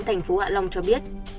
tp hạ long cho biết